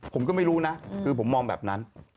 ผมก็ไม่รู้นะคือผมมองแบบนั้น